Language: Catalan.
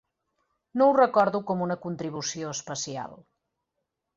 No ho recordo com una contribució especial.